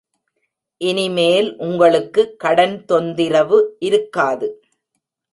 இனிமேல் உங்களுக்கு கடன் தொந்திரவு இருக்காது.